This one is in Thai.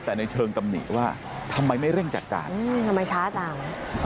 แต่ในเชิงตำหนิว่าทำไมไม่เร่งจัดการทำไมช้าจัง